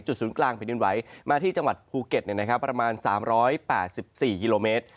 ศูนย์กลางแผ่นดินไหวมาที่จังหวัดภูเก็ตประมาณ๓๘๔กิโลเมตร